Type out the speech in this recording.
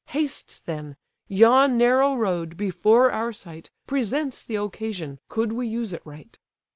Haste then: yon narrow road, before our sight, Presents the occasion, could we use it right."